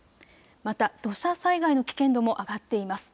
また土砂災害の危険度も上がっています。